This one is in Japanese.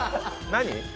何？